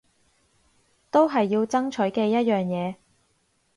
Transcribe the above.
都係要爭取嘅一樣嘢